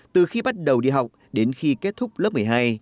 từ khi bắt đầu đi học đến khi kết thúc lớp một mươi hai